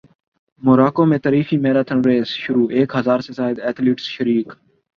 موراکو میں تاریخی marathon race شروع ایک ہزار سے زائد ایتھلیٹس شریک